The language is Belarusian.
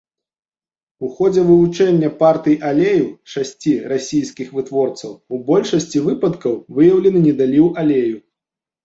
У ходзе вывучэння партый алею шасці расійскіх вытворцаў у большасці выпадкаў выяўлены недаліў алею.